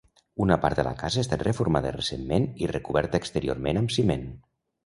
Una part de la casa ha estat reformada recentment i recoberta exteriorment amb ciment.